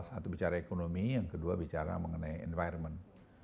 satu bicara ekonomi yang kedua bicara mengenai environment